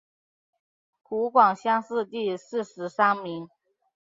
湖广乡试第四十三名。